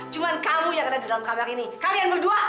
cuma kamu yang ada di dalam kamar ini kalian berdua